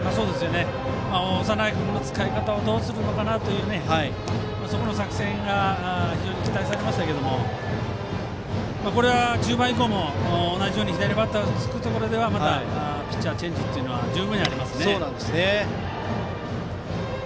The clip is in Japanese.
長内君の使い方をどうするのかというそこの作戦が非常に期待されましたがこれは中盤以降も同じように左バッターが続くところではまたピッチャーチェンジが十分ありますね。